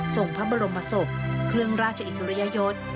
ส่งพระบรมศพเครื่องราชอิสริยยศ